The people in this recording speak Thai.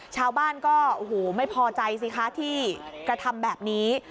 ชาวบ้านก็โอ้โหไม่พอใจสิคะที่กระทำแบบนี้